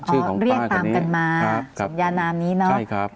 ชื่อของป้าอ๋อเรียกตามกันมาครับครับสำยานามนี้เนอะใช่ครับ